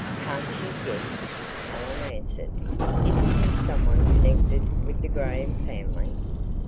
"Can't you guess?" Helen answered. "Isn't he someone connected with the Graham family?"